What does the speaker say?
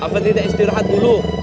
apa tidak istirahat dulu